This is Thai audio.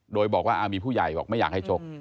โดยบอกว่ามีผู้ใหญ่บอกไม่อยากให้ชก